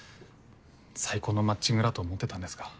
最高のマッチングだと思ってたんですが。